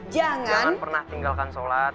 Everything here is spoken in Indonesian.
jangan pernah tinggalkan sholat